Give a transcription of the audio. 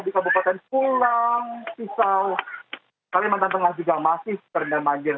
di kabupaten pulang pisau kalimantan tengah juga masih terendam banjir